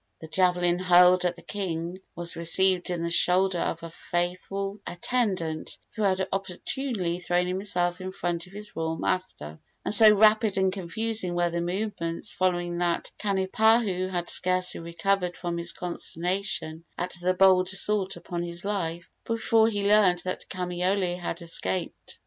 The javelin hurled at the king was received in the shoulder of a faithful attendant who had opportunely thrown himself in front of his royal master; and so rapid and confusing were the movements following that Kanipahu had scarcely recovered from his consternation at the bold assault upon his life before he learned that Kamaiole had escaped.